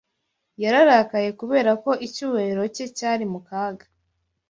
Yararakaye kubera ko icyubahiro cye cyari mu kaga